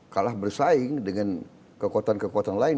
kalah bersaing dengan kekuatan kekuatan lain